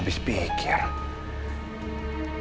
bisa berantakan semuanya